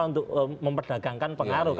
untuk memperdagangkan pengaruh